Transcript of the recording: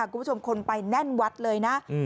คุณผู้ชมคนไปแน่นวัดเลยนะ